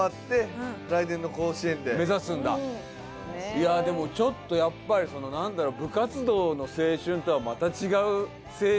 いやでもちょっとやっぱりその何だろう。